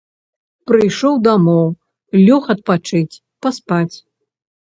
Прыйшоў дамоў, лёг адпачыць, паспаць.